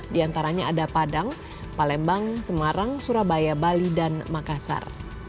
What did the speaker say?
di antaranya ada padang palembang semarang surabaya bali dan makassar